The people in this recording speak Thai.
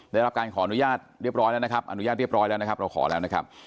ได้รับการขออนุญาตเรียบร้อยแล้วนะครับอนุญาตเรียบร้อยแล้วนะครับเราขอแล้วนะครับ